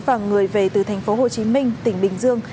và người về từ thành phố hồ chí minh tỉnh bình dương